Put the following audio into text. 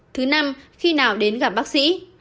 thứ năm khi nào đến gặp bác sĩ